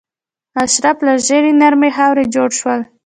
اشراف له ژیړې نرمې خاورې جوړ شول.